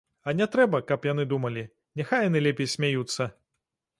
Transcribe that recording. А не трэба, каб яны думалі, няхай яны лепей смяюцца.